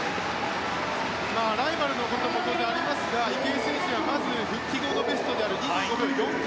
ライバルのことも当然ありますが池江選手は復帰後のベストである２９秒４９